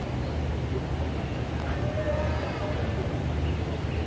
asal sekolah sma negeri dua puluh sembilan